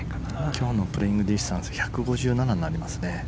今日のプレーイングディスタンス１５７になりますかね。